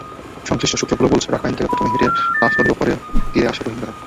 সংশ্লিষ্ট সূত্রগুলো বলেছে, রাখাইন থেকে প্রথমে হেঁটে নাফ নদীর ওপারের তীরে আসে রোহিঙ্গারা।